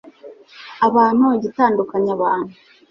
abantu igitandukanya abantu .